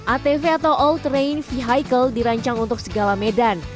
atv atau all train vehicle dirancang untuk segala medan